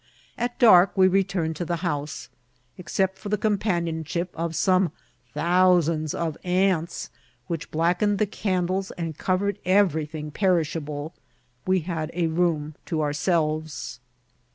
At dark we returned to the houae. Except for the companionship of some thousands of ants^ which blackened the candles and covered evory* thiBg perishable, we had a room to ourselves.